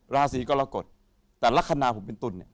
ราสีกอลกฎแต่ลักษณะผมเป็นตุ้นนะ